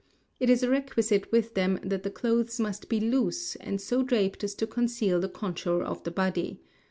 It is a requisite with them that the clothes must be loose, and so draped as to conceal the contour of the body.